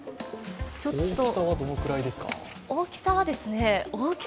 大きさはどのくらいですか？